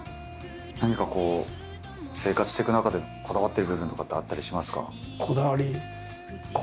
何かこう生活していく中でこだわってる部分とかってあったりしますか？